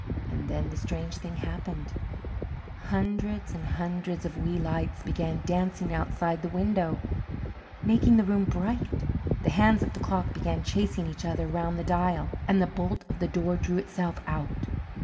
And then the strange thing happened: hundreds and hundreds of wee lights began dancing outside the window, making the room bright; the hands of the clock began chasing each other round the dial, and the bolt of the door drew itself out.